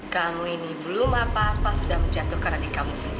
kamu ini belum apa apa sudah menjatuhkan adik kamu sendiri